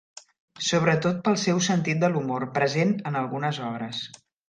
Sobretot pel seu sentit de l'humor present en algunes obres.